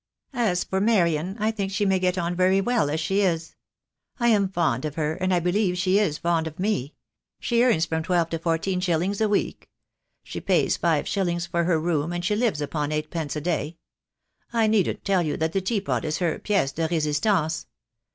As for Marian, I think she may get on very well as she is. I am fond of her, and I believe she is fond of me. She earns from twelve to fourteen shillings a week. She pays five shillings for her room, and she lives upon eight pence a day. I needn't tell you that the teapot is her piece de resistance.